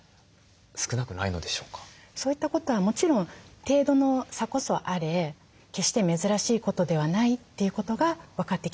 そういったことはもちろん程度の差こそあれ決して珍しいことではないということが分かってきたんです。